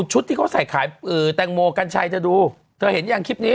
ชุดที่เขาใส่ขายแตงโมกัญชัยเธอดูเธอเห็นยังคลิปนี้